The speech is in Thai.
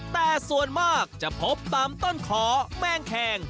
แต่ส่วนมากจะพบตามต้นขอแมงแคง